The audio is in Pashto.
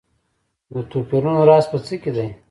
د توپیرونو راز په څه کې دی.